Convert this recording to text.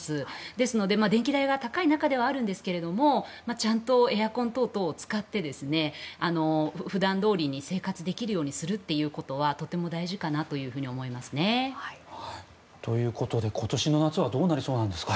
ですので電気代が高い中ではあるんですがちゃんとエアコンなどを使って普段どおりに生活できるようにするということはとても大事かなと思いますね。ということで今年の夏はどうなりそうなんですか？